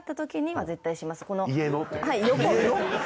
はい。